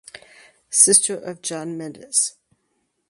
Sister of Gian Mendez.